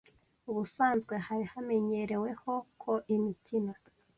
Ubusanzwe hari hamenyereweho ko imikino